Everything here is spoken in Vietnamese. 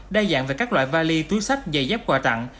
đa dạng về các loại vali túi sách giày dép quà tặng